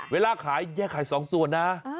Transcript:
เวลาแกะขาย๒ส่วนนะ